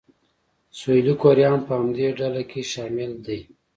سویلي کوریا هم په همدې ډله کې شامل دی.